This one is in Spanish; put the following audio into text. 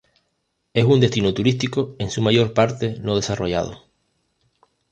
Es un destino turístico en su mayor parte no desarrollado.